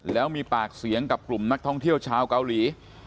แล้วมีปากเสียงกับกลุ่มนักท่องเที่ยวชาวเกาหลี